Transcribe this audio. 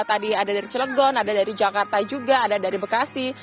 tadi ada dari cilegon ada dari jakarta juga ada dari bekasi